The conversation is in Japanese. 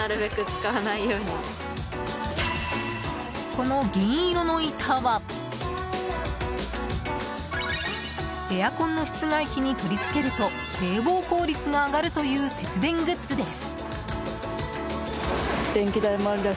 この銀色の板はエアコンの室外機に取り付けると冷房効率が上がるという節電グッズです。